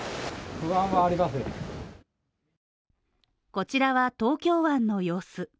こちらは東京湾の様子。